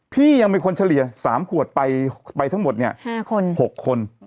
พี่ยังมีคนเฉลี่ย๓ขวดไปทั้งหมดเนี่ย๖คน